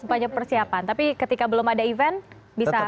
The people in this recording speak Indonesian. sepanjang persiapan tapi ketika belum ada event bisa